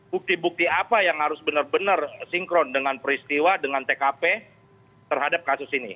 bukti bukti apa yang harus benar benar sinkron dengan peristiwa dengan tkp terhadap kasus ini